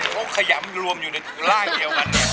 โค่อยับรวมอยู่ในกล้าเกียว